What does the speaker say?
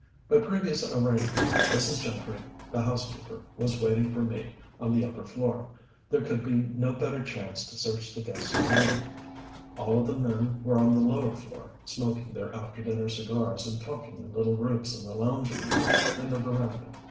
By previous arrangement Mrs. Gentry, the housekeeper, was waiting for me on the upper floor. There could be no better chance to search the guests' rooms. All of the men were on the lower floor, smoking their after dinner cigars and talking in little groups in the lounging room and the veranda.